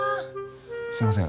すいません